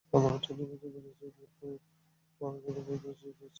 প্রথম তিনটি ম্যাচে ভেনাস জিতলেও পরে বড়র ওপর প্রতিষ্ঠা হয়েছে ছোটর রাজ।